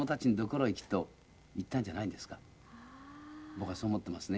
僕はそう思っていますね。